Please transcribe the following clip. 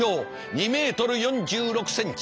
２ｍ４６ｃｍ。